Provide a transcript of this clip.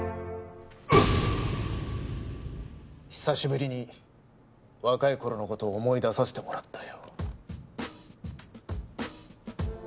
久しぶりに若い頃の事を思い出させてもらったよ。